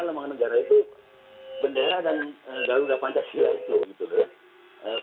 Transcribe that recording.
lambang negara itu bendera dan galungga pancasila gitu